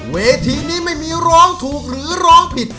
เวทีนี้ไม่มีร้องถูกหรือร้องผิด